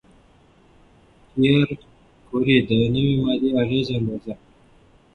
پېیر کوري د نوې ماده اغېزې اندازه کړه.